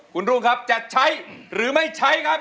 คุณรุ่งครับจะใช้หรือไม่ใช้ครับ